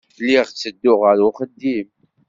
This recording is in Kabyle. Lliɣ ttedduɣ ɣer uxeddim.